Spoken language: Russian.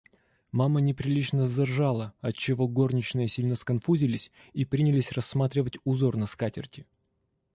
Мама неприлично заржала, отчего горничные сильно сконфузились и принялись рассматривать узор на скатерти.